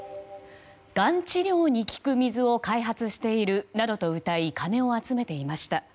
がん治療に効く水を開発しているなどとうたい金を集めていました。